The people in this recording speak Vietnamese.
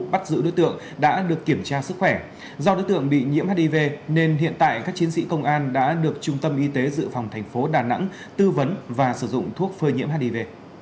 bắt giữ đối tượng đã được kiểm tra sức khỏe do đối tượng bị nhiễm hiv nên hiện tại các chiến sĩ công an đã được trung tâm y tế dự phòng thành phố đà nẵng tư vấn và sử dụng thuốc phơi nhiễm hiv